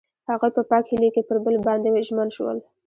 هغوی په پاک هیلې کې پر بل باندې ژمن شول.